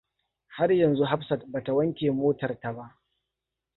Har yanzu Hafsat bata wanke motar ta ba.